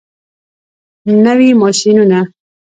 نوي ماشینونه.